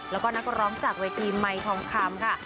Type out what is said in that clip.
แล้วก็นักร้องจากเวทีไมค์ทองคำค่ะ